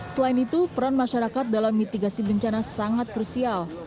selain itu peran masyarakat dalam mitigasi bencana sangat krusial